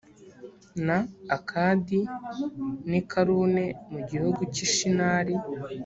na akadi n i kalune mu gihugu cy i shinari